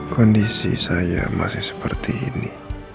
kondisi saya masih seperti ini